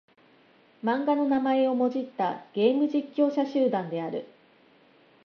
漫画の名前をもじったゲーム実況者集団である。